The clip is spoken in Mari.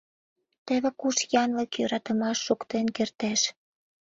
Теве куш янлык йӧратымаш шуктен кертеш!